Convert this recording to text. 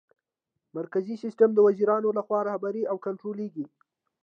مرکزي سیسټم د وزیرانو لخوا رهبري او کنټرولیږي.